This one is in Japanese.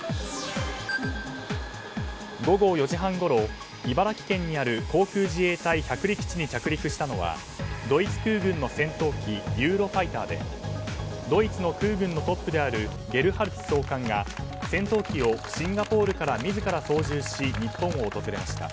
午後４時半ごろ、茨城県にある航空自衛隊百里基地に着陸したのはドイツ空軍の戦闘機「ユーロファイター」でドイツの空軍のトップゲルハルツ総監が戦闘機をシンガポールから自ら操縦し日本を訪れました。